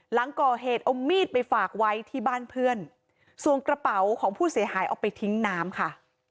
หลังก่อเหตุเอามีดไปฝากไว้ที่บ้านเพื่อนส่วนกระเป๋าของผู้เสียหายเอาไปทิ้งน้ำค่ะ